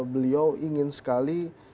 beliau ingin sekali